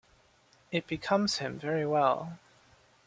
It becomes him very well.